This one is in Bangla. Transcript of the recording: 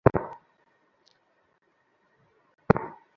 কিন্তু এই শৌখিন চোর দুটির চৌর্যপরিহাস মন্দার কাছে আমোদজনক বোধ হইত না।